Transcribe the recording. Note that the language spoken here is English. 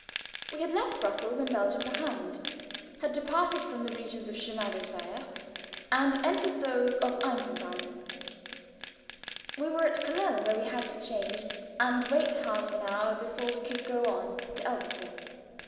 We had left Brussels and Belgium behind, had departed from the regions of Chemins de fer, and entered those of Eisenbahnen. We were at Cologne, where we had to change and wait half an hour before we could go on to Elberthal.